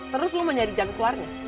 terus lu mau nyari jalan keluarnya